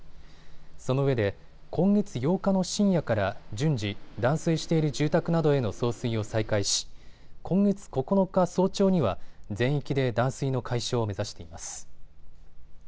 そのうえで今月８日の深夜から順次、断水している住宅などへの送水を再開し今月９日早朝には全域で断水の解消を目指しています。